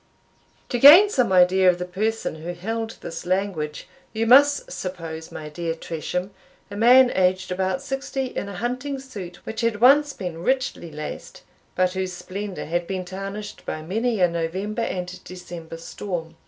To gain some idea of the person who held this language, you must suppose, my dear Tresham, a man aged about sixty, in a hunting suit which had once been richly laced, but whose splendour had been tarnished by many a November and December storm.